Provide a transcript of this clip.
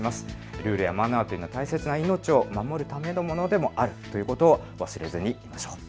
ルールやマナーというのは大切な命を守るためのものでもあるということを忘れずにいきましょう。